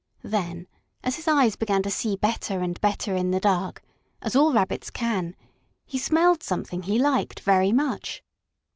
Then, as his eyes began to see better and better in the dark, as all rabbits can, he smelled something he liked very much.